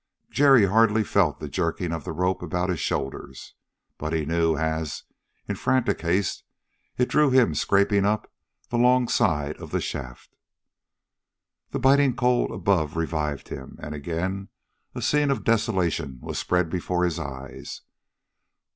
Jerry hardly felt the jerking of the rope about his shoulders, but he knew as, in frantic haste, it drew him scraping up the long side of the shaft. The biting cold above revived him, and again a scene of desolation was spread before his eyes.